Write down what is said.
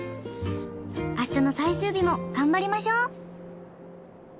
明日の最終日も頑張りましょう。